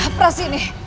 apa sih ini